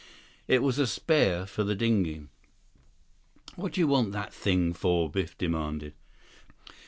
It was a spare for the dinghy. "What do you want that thing for?" Biff demanded.